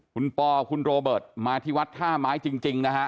คุณปอคุณโรเบิร์ตมาที่วัดท่าไม้จริงนะฮะ